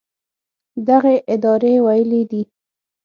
دغې ادارې ویلي دي